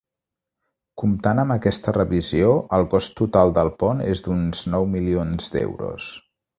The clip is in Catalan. Comptant amb aquesta revisió el cost total del pont és d'uns nou milions d'euros.